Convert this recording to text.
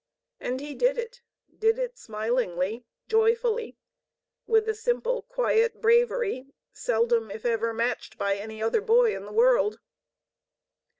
And he did it, did it smilingly, joyfully, with a simple, quiet bravery seldom if ever matched by any other boy in the world.